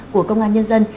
của công an nhân dân